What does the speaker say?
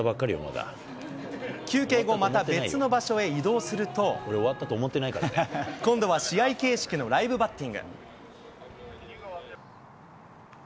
休憩後、また別の場所へ移動すると、今度は試合形式のライブバッティング。